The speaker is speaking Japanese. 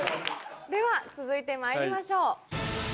では続いてまいりましょう。